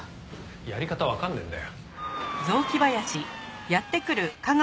やり方わかんねえんだよ。